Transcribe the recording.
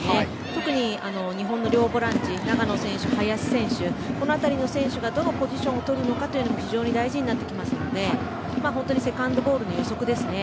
特に日本の両ボランチ長野選手、林選手この辺りの選手がどのポジションをとるのかも非常に大事になってきますのでセカンドボールの予測ですね。